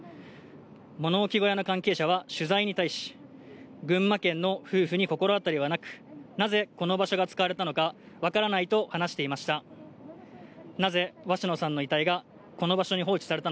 物置小屋の関係者は取材に対し、群馬県の夫婦に心当たりはなくなぜこの場所が使われたのかわからないと話していました。